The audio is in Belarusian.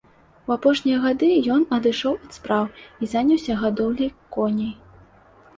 У апошнія гады ён адышоў ад спраў і заняўся гадоўляй коней.